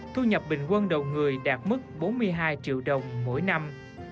thu nhập bình quân đầu người đạt mức bốn mươi hai triệu đồng mỗi năm